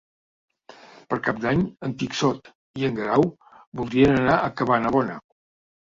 Per Cap d'Any en Quixot i en Guerau voldrien anar a Cabanabona.